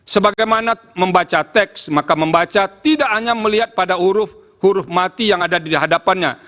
sebagaimana membaca teks maka membaca tidak hanya melihat pada huruf huruf mati yang ada di hadapannya